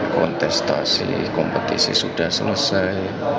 kontestasi kompetisi sudah selesai